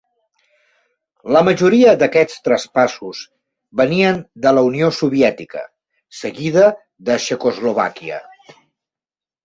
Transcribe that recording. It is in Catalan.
La majoria d'aquests traspassos venien de la Unió Soviètica, seguida de Txecoslovàquia.